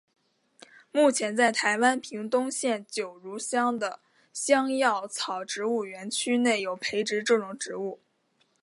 目前在台湾屏东县九如乡的香药草植物园区内有培植这种植物。